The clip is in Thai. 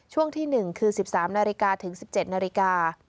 ช่วงที่๑คือ๑๓นาฬิกาถึง๑๗นาฬิกา